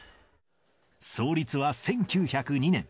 創立は１９０２年。